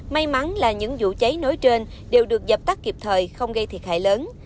may mắn là những vụ cháy nối trên đều được dập tắt kịp thời không gây thiệt hại lớn